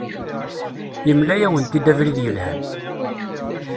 Yemla-awent-d abrid yelhan.